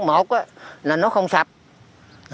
một là nó không sạch